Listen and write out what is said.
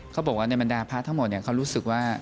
เขาบอกว่าในบรรดาพระทั้งหมดเขารู้สึกว่า